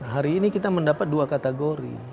hari ini kita mendapat dua kategori